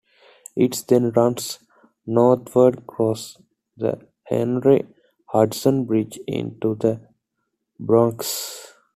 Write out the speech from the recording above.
It then runs northward across the Henry Hudson Bridge into the Bronx.